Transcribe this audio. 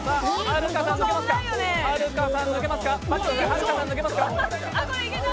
はるかさん、抜けますか？